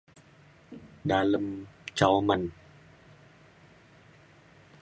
dalem ca uman